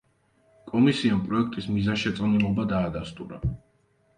კომისიამ პროექტის მიზანშეწონილობა დაადასტურა.